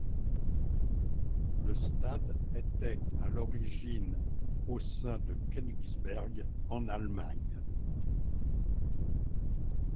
Le stade était à l'origine au sein de Königsberg en Allemagne.